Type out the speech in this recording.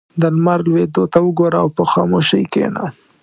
• د لمر لوېدو ته وګوره او په خاموشۍ کښېنه.